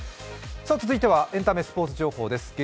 続いてはエンタメスポーツ情報でてす。